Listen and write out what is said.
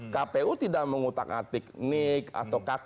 kpu tidak mengutak atik nik atau kakak